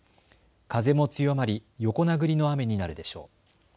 風も強まり横殴りの雨になるでしょう。